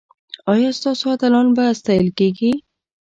ایا ستاسو اتلان به ستایل کیږي؟